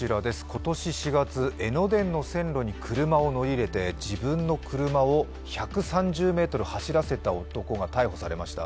今年４月、江ノ電の線路に車を乗り入れて、自分の車を１３０ｍ走らせた男が逮捕されました。